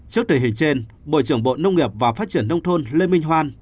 trước tình hình trên bộ trưởng bộ nông nghiệp và phát triển nông thôn lê minh hoan